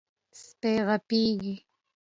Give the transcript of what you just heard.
سپي غپېږي.